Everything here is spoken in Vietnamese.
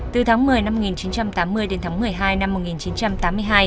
từ tháng một mươi năm một nghìn chín trăm tám mươi đến tháng một mươi hai năm một nghìn chín trăm tám mươi hai